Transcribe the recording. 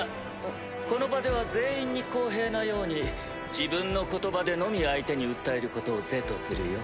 この場では全員に公平なように自分の言葉でのみ相手に訴えることを是とするよ。